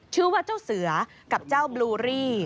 ชื่อว่าเจ้าเสือกับเจ้าบลูรี่